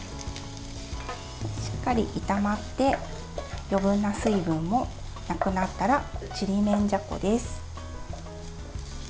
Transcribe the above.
しっかり炒まって余分な水分もなくなったらちりめんじゃこです。